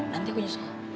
nanti aku nyusul